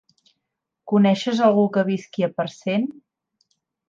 Coneixes algú que visqui a Parcent?